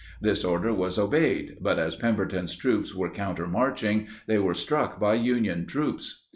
This order was obeyed, but as Pemberton's troops were countermarching they were struck by Union troops.